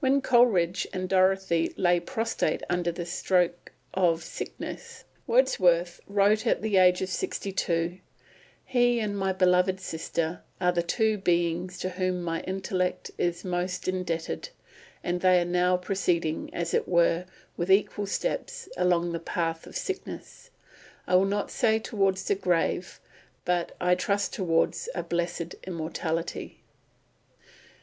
When Coleridge and Dorothy lay prostrate under the stroke of sickness, Wordsworth wrote at the age of sixty two: "He and my beloved sister are the two beings to whom my intellect is most indebted, and they are now proceeding, as it were, with equal steps, along the path of sickness, I will not say towards the grave; but I trust towards a blessed immortality."